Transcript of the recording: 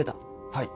はい。